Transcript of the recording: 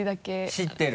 知ってる？